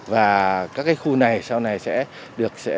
và các khu này sau này sẽ